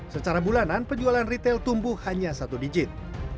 secara bulanan penjualan retail tumbuh hanya satu digit